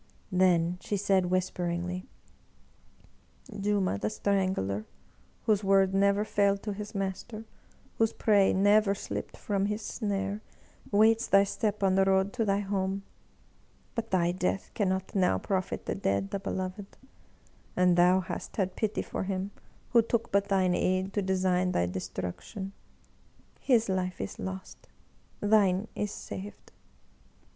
Then she said whisperingly : "Juma the Strangler, whose word never failed to his master, whose prey never slipped from his snare, waits thy step on the road to thy home ! But thy death cannot now profit the dead, the beloved. And thou hast had pity for him who took but thine aid to design thy destruction. His life is lost, thine is saved